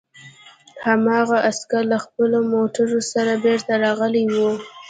هماغه عسکر له خپلو موټرو سره بېرته راغلي وو